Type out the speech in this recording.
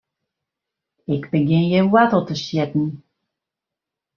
Ik begjin hjir woartel te sjitten.